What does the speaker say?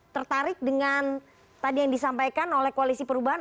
tertarik dengan tadi yang disampaikan oleh koalisi perubahan